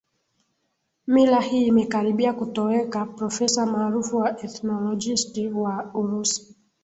mila hii imekaribia kutoweka Profesa maarufu wa ethnologist wa Urusi